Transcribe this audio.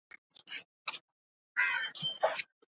Males have been observed engaging in infanticide.